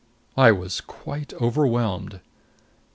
I was quite overwhelmed.